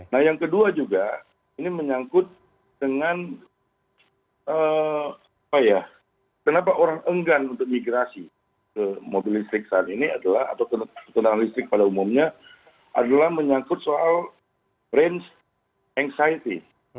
nah yang kedua juga ini menyangkut dengan apa ya kenapa orang enggan untuk migrasi ke mobil listrik saat ini adalah atau kendaraan listrik pada umumnya adalah menyangkut soal range excited